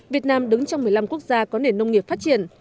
việt nam đứng trong một mươi năm quốc gia có nền nông nghiệp phát triển